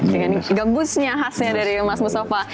dengan gebusnya khasnya dari mas mustafa